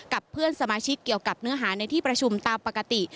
เพื่อนสมาชิกเกี่ยวกับเนื้อหาในที่ประชุมตามปกติ